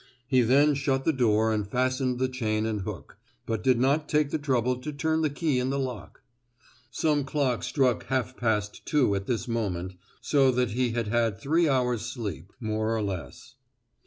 He then shut the door and fastened the chain and hook, but did not take the trouble to turn the key in the lock. Some clock struck half past two at this moment, so that he had had three hours' sleep—more or less.